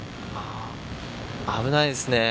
危ないですね。